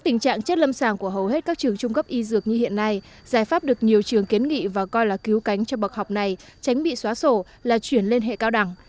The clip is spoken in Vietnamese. tình trạng chất lâm sàng của hầu hết các trường trung cấp y dược như hiện nay giải pháp được nhiều trường kiến nghị và coi là cứu cánh cho bậc học này tránh bị xóa sổ là chuyển lên hệ cao đẳng